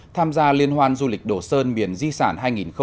tham gia liên hoan du lịch đồ sơn miền di sản hai nghìn một mươi chín